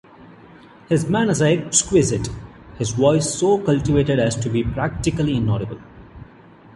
His manners are exquisite; his voice so cultivated as to be practically inaudible.